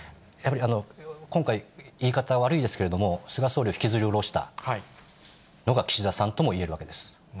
今回、言い方は悪いですけれども、菅総理を引きずりおろしたのが岸田さんともいえるわけです。